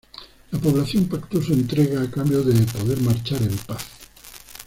La población pactó su entrega a cambio de poder marchar en paz.